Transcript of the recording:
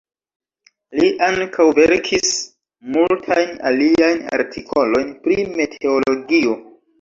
Li ankaŭ verkis multajn aliajn artikolojn pri meteologio.